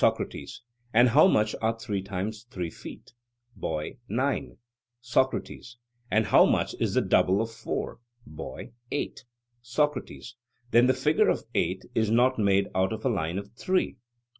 SOCRATES: And how much are three times three feet? BOY: Nine. SOCRATES: And how much is the double of four? BOY: Eight. SOCRATES: Then the figure of eight is not made out of a line of three?